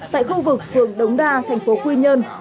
tại khu vực phường đống đa tp quy nhơn